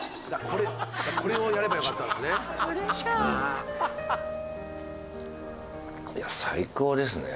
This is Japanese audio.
「これをやればよかったんですね」